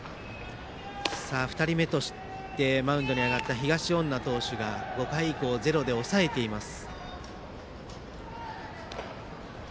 ２人目としてマウンドに上がった東恩納投手が５回以降、ゼロで抑えています。